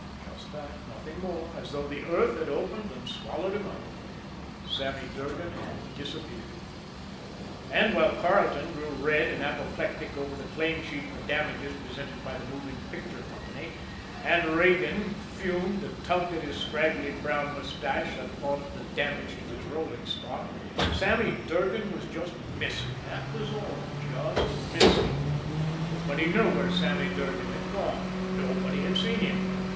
Just that, nothing more as though the earth had opened and swallowed him up, Sammy Durgan had disappeared. And while Carleton grew red and apoplectic over the claim sheet for damages presented by the moving picture company, and Regan fumed and tugged at his scraggly brown mustache at thought of the damage to his rolling stock Sammy Durgan was just missing, that was all just missing. Nobody knew where Sammy Durgan had gone. Nobody had seen him.